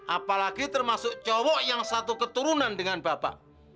apalagi termasuk cowok yang satu keturunan dengan bapak